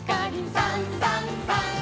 「さんさんさん」